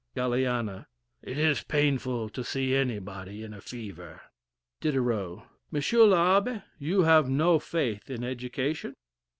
Galiana. It is painful to see anybody in a fever. Diderot. M. l'Abbe, have you no faith in education?